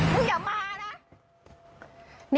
หนูอย่ามานะ